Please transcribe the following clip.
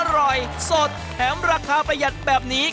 อร่อยสดแถมราคาประหยัดแบบนี้